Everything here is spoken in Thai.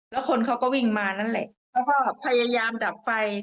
และคนเค้าก็วิงมานั่นแหละก็พยายามดับไฟ